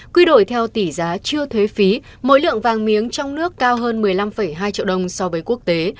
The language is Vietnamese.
quy đổi theo tỷ giá chưa thuế phí mỗi lượng vàng miếng trong nước cao hơn một mươi năm hai triệu đồng so với quốc tế